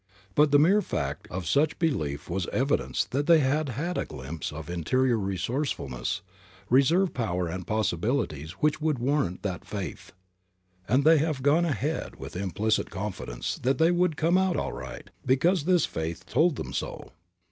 But the mere fact of such belief was evidence that they had had a glimpse of interior resourcefulness, reserve power and possibilities which would warrant that faith; and they have gone ahead with implicit confidence that they would come out all right, because this faith told them so.